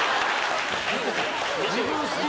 自分、好き？